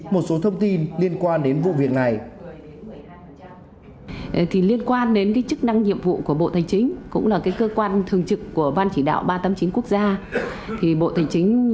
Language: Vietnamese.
một số thông tin liên quan đến vụ việc này